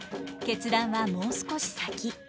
決断はもう少し先。